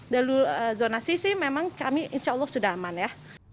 jalur zonasi sih memang kami insya allah sudah aman ya